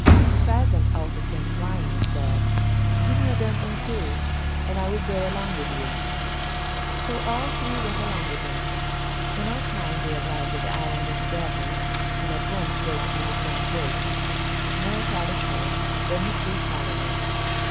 A pheasant also came flying and said, "Give me a dumpling too, and I will go along with you." So all three went along with him. In no time they arrived at the island of the devils, and at once broke through the front gate; Momotaro first; then his three followers.